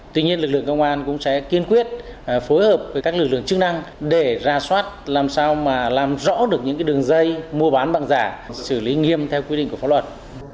tuy nhiên lực lượng công an cũng sẽ kiên quyết phối hợp với các lực lượng chức năng để ra soát làm sao mà làm rõ được những đường dây mua bán bằng giả xử lý nghiêm theo quy định của pháp luật